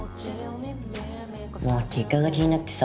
まあ結果が気になってさ